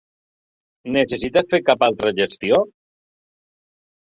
Necessites fer cap altra gestió?